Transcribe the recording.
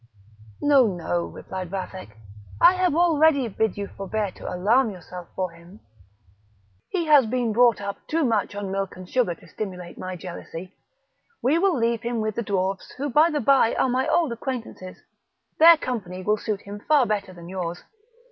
"No, no!" replied Vathek, "I have already bid you forbear to alarm yourself for him; he has been brought up too much on milk and sugar to stimulate my jealousy; we will leave him with the dwarfs, who, by the bye, are my old acquaintances; their company will suit him far better than yours.